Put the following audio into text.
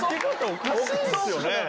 おかしいですよね。